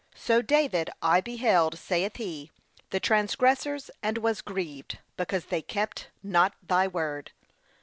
So David, 'I beheld,' saith he, 'the transgressors, and was grieved, because they kept not thy word.'